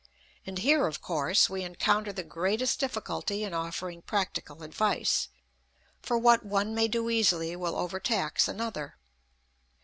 And here, of course, we encounter the greatest difficulty in offering practical advice, for what one may do easily will overtax another.